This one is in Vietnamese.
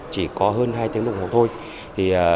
chỉ có hơn hai tiếng đồng hồ thôi